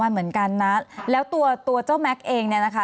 เหมือนกันนะแล้วตัวตัวเจ้าแม็กซ์เองเนี่ยนะคะ